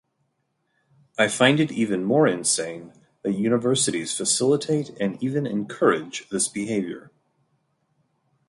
I find it even more insane that universities facilitate and even encourage this behaviour.